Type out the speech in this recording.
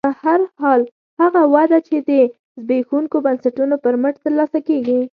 په هر حال هغه وده چې د زبېښونکو بنسټونو پر مټ ترلاسه کېږي